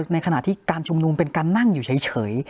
ในขณะที่การชุมนุมเป็นการนั่งอยู่เฉย